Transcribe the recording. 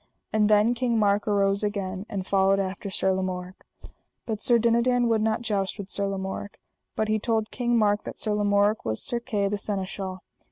And then King Mark arose again, and followed after Sir Lamorak. But Sir Dinadan would not joust with Sir Lamorak, but he told King Mark that Sir Lamorak was Sir Kay, the Seneschal.